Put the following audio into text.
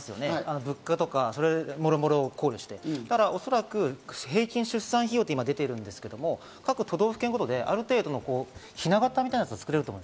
物価とかもろもろ考慮して、だからおそらく、平均出産費用と出てるんですけど、各都道府県ごとでひな型みたいなやつをつくれると思う。